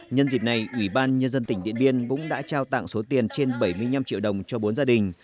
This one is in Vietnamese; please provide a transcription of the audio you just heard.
nhân dịp này ủy ban nhân dân tỉnh điện biên cũng đã trao tặng số tiền trên bảy mươi năm triệu đồng cho bốn gia đình